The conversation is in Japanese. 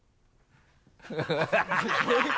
ハハハ